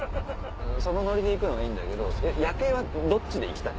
そのノリで行くのはいいんだけど夜景はどっちで行きたい？